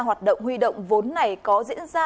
hoạt động huy động vốn này có diễn ra